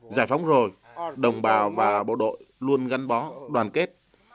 giải phóng rồi đồng bào và bộ đội luôn gắn bó đoàn kết